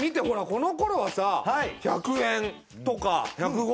このころはさ１００円とか１５０円でしょ。